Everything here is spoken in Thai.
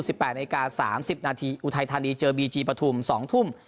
แปดนาฬิกาสามสิบนาทีอุทัยธานีเจอบีจีปฐุมสองทุ่ม